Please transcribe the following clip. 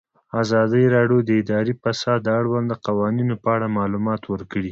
ازادي راډیو د اداري فساد د اړونده قوانینو په اړه معلومات ورکړي.